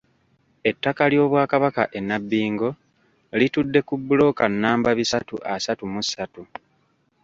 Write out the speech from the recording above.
Ettaka ly'Obwakabaka e Nabbingo litudde ku bbulooka nnamba bisatu asatu mu ssatu.